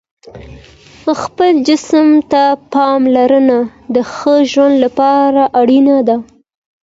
خپل جسم ته پاملرنه د ښه ژوند لپاره اړینه ده.